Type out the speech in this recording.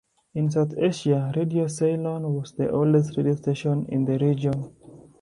In South Asia, Radio Ceylon was the oldest radio station in the region.